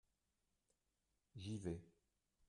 J’y vais.